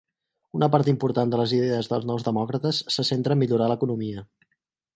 Una part important de les idees dels Nous Demòcrates se centra en millorar l'economia.